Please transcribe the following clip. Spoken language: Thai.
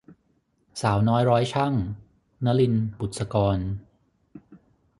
สาวน้อยร้อยชั่ง - นลิน บุษกร